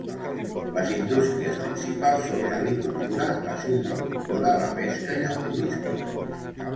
Les indústries principals són l'agricultura, la silvicultura, la pesca i el turisme.